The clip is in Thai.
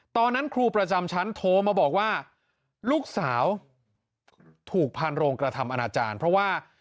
ตอนนั้นครูประจำชั้นโทรมาบอกว่าลูกสาวถูกพานโรงกระทำอนาจารย์เพราะว่า